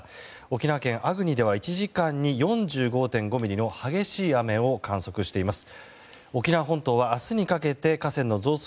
沖縄県粟国では１時間に４５．５ミリの激しい雨を観測しています。